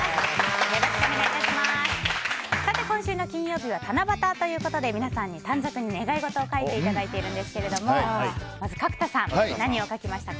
さて、今週の金曜日は七夕ということで皆さんに短冊に願い事を書いていただいているんですがまず角田さん何を書きましたか？